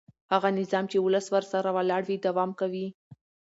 هغه نظام چې ولس ورسره ولاړ وي دوام کوي